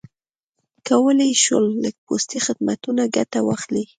کولای یې شول له پوستي خدمتونو ګټه واخلي.